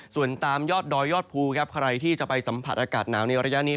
ส่วนตามยอดดอยยอดภูครับใครที่จะไปสัมผัสอากาศหนาวในระยะนี้